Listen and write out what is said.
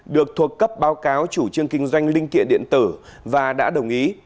được thuộc cấp báo cáo chủ trương kinh doanh linh kiện điện tử và đã đồng ý